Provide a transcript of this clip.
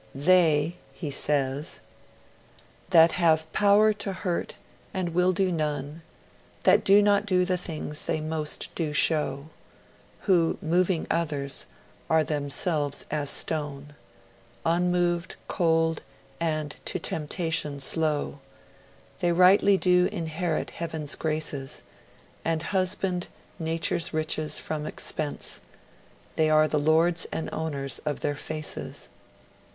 'They,' he says, 'that have power to hurt and will do none, That do not do the things they most do show, Who, moving others, are themselves as stone, Unmoved, cold, and to temptation slow, They rightly do inherit heaven's graces, And husband nature's riches from expense; They are the lords and owners of their faces